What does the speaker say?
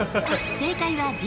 正解はＢ。